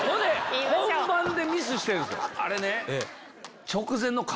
あれね。